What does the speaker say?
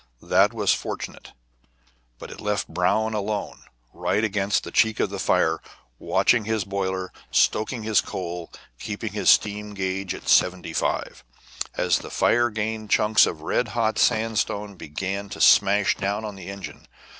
That was fortunate, but it left Brown alone, right against the cheek of the fire, watching his boiler, stoking in coal, keeping his steam gage at 75. As the fire gained chunks of red hot sandstone began to smash down on the engine.